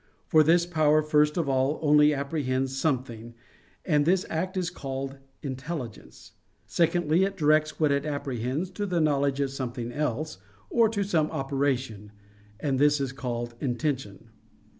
For this power first of all only apprehends something; and this act is called "intelligence." Secondly, it directs what it apprehends to the knowledge of something else, or to some operation; and this is called "intention."